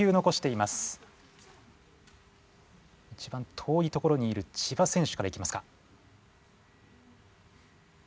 いちばん遠いところにいる千葉選手からいきますか。